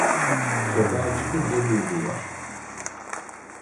Sokağa çıkınca durdular.